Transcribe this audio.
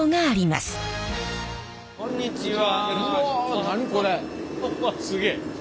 すげえ。